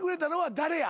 「誰や？